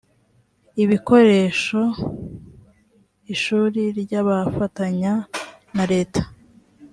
ibikoresho ishuri ry abafatanya na leta